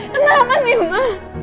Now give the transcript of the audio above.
kenapa sih ma